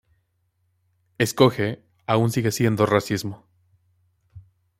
Escoge, aún sigue siendo racismo.